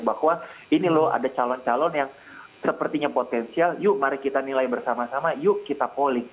bahwa ini loh ada calon calon yang sepertinya potensial yuk mari kita nilai bersama sama yuk kita polling